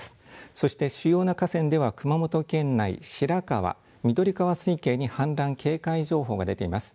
そして主要な河川では熊本県内、白川、緑川水系に氾濫警戒情報が出ています。